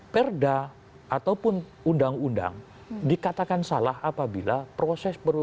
perda ataupun undang undang dikatakan salah apabila proses perlu